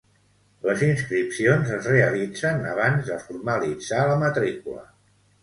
Les inscripcions es realitzen abans de formalitzar la matrícula.